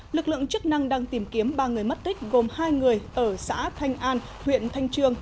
lực lượng chức năng đang tìm kiếm ba người mất tích gồm hai người ở xã thanh an huyện thanh trương